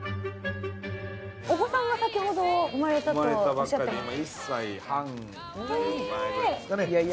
お子さんが先ほど生まれたとおっしゃってました。